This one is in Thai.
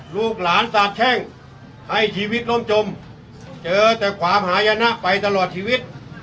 ลูกหลานสาบแช่งให้ชีวิตล่มจมเจอแต่ความหายนะไปตลอดชีวิต